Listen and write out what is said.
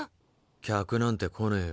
客なんて来ねえよ。